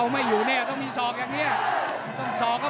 มั่นใจว่าจะได้แชมป์ไปพลาดโดนในยกที่สามครับเจอหุ้กขวาตามสัญชาตยานหล่นเลยครับ